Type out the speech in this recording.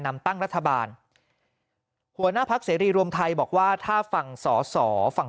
นำตั้งรัฐบาลหัวหน้าพักเสรีรวมไทยบอกว่าถ้าฝั่งสอสอฝั่ง